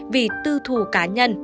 vì tư thù cá nhân